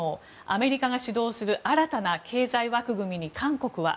アメリカが主導する新たな経済枠組みに韓国は。